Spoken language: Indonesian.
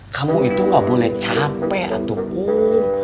kamu itu gak boleh capek atukum